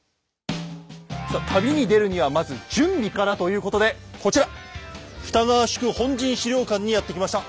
さあ旅に出るにはまず準備からということでこちら！にやって来ました。